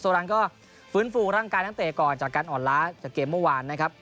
รังก็ฟื้นฟูร่างกายนักเตะก่อนจากการอ่อนล้าจากเกมเมื่อวานนะครับ